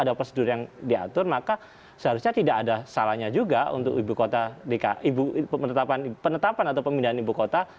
ada prosedur yang diatur maka seharusnya tidak ada salahnya juga untuk ibu kota dki penetapan atau pemindahan ibu kota